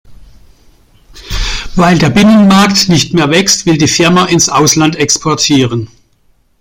Weil der Binnenmarkt nicht mehr wächst, will die Firma ins Ausland exportieren.